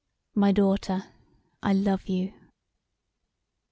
My daughter, I love you!"